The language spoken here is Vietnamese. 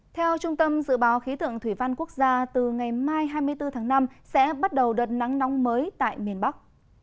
theo trung tâm dự báo khí tượng thủy văn quốc gia từ ngày mai hai mươi bốn tháng năm sẽ bắt đầu đợt nắng nóng mới tại miền bắc